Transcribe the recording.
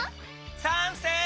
さんせい。